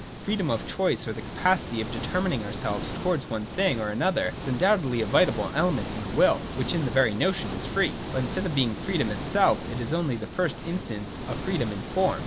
Freedom of choice, or the capacit y of dete rmining _ ourselves towards _£netliing_or another, is undoubtedly a vital ejementjn jthejwill (which in Tts^ery notion is free) ; but instead of being freedom itself, it is only in the first instance a freedom in form.